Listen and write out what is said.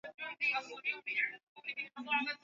dhidi ya raia kwa msingi wa taarifa za kuaminika